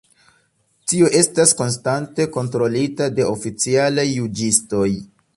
Tio estas konstante kontrolita de oficialaj juĝistoj.